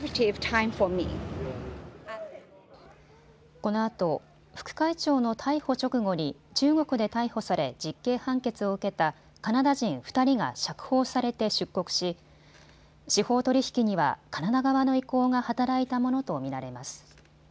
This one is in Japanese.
このあと副会長の逮捕直後に中国で逮捕され実刑判決を受けたカナダ人２人が釈放されて出国し、司法取引にはカナダ側の意向が働いたものと見られます。